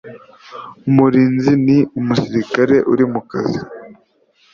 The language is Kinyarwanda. umurinzi ni umusirikare uri mu kazi